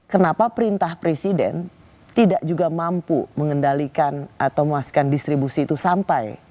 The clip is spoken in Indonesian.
kenapa perintah presiden tidak juga mampu mengendalikan atau memuaskan distribusi itu sampai